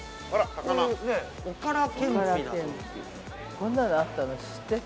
◆こんなの、あったの知ってた？